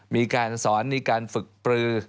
มีการสอนมีการฝึกปลือ